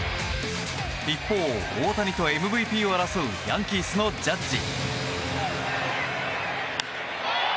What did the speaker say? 一方、大谷とＭＶＰを争うヤンキースのジャッジ。